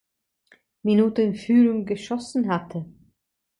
Minute in Führung geschossen hatte.